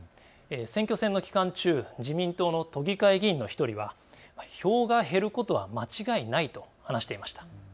選挙戦の期間中、自民党の都議会議員の１人は票が減ることは間違いないと話していました。